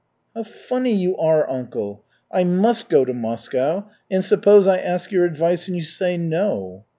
'" "How funny you are, uncle! I must go to Moscow, and suppose I ask your advice and you say no?"